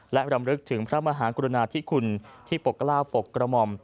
และรำลึกถึงพระมหากรุณาธิคุณที่ปกกล้าวปกกระหม่อม